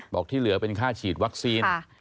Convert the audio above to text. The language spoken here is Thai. ที่เหลือเป็นค่าฉีดวัคซีน